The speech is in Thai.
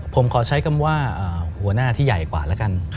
ผมขอใช้คำว่าหัวหน้าที่ใหญ่กว่าแล้วกัน